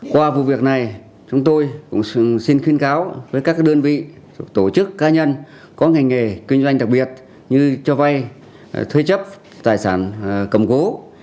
qua vụ việc này chúng tôi cũng xin khuyên cáo với các đơn vị tổ chức ca nhân có ngành nghề kinh doanh đặc biệt như cho vay thuê chấp tài sản cầm cố